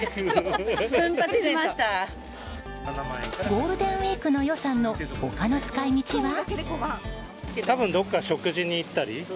ゴールデンウィークの予算の他の使い道は。